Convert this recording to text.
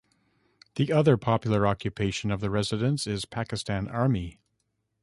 The other popular occupation of the residents is Pakistan Army.